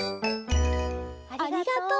ありがとう。